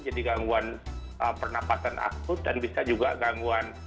jadi gangguan pernapasan akut dan bisa juga gangguan